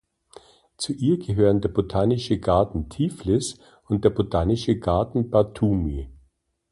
Zu ihr gehören der "Botanische Garten Tiflis" und der "Botanische Garten Batumi".